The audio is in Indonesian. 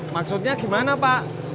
maksudnya gimana pak